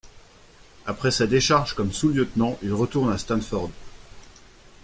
Après sa décharge comme sous-lieutenant, il retourne à Stanford.